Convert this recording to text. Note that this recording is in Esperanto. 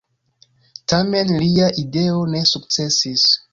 Tamen lia ideo ne sukcesis.